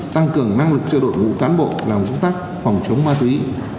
tăng cường năng lực cho đội ngũ cán bộ làm công tác phòng chống ma túy